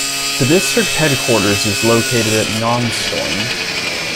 The district headquarters is located at Nongstoin.